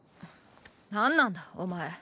何なんだお前。